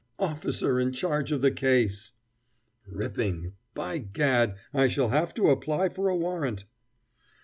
"Officer in charge of the case!" "Ripping! By gad, I shall have to apply for a warrant!"